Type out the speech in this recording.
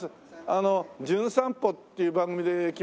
あの『じゅん散歩』っていう番組で来ました